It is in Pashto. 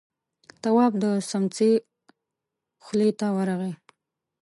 تواب د سمڅې خولې ته ورغی.